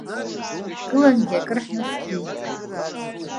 Ҳгылангьы акыр ҳнаскьеит.